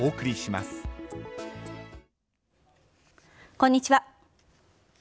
こんにちは。